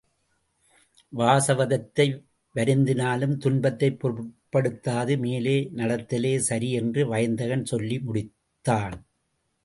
வாசவதத்தை வருந்தினாலும் துன்பத்தைப் பொருட்படுத்தாது மேலே நடத்தலே சரி என்று வயந்தகன் சொல்லி முடித்தான்.